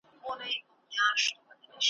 بیرته لیري له تلک او له دانې سو ,